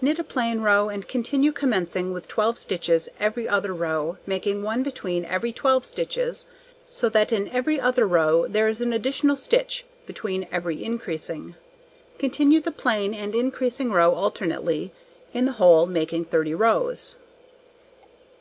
Knit a plain row, and continue commencing with 12 stitches every other row, making 1 between every 12 stitches, so that in every other row there is an additional stitch between every increasing. Continue the plain and increased row alternately, in the whole making 30 rows.